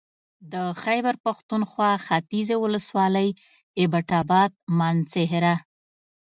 د خېبر پښتونخوا ختيځې ولسوالۍ اېبټ اباد مانسهره